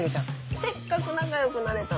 せっかく仲良くなれたのに。